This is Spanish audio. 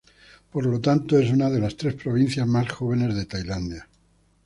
Por lo tanto, es una de las tres provincias más jóvenes de Tailandia.